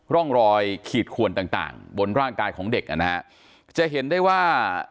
ร่องรอยขีดขวนต่างต่างบนร่างกายของเด็กนะฮะจะเห็นได้ว่า